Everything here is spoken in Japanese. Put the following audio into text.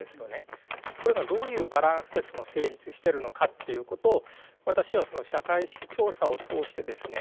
これがどういうバランスで成立してるのかっていうことを私はその社会意識調査を通してですね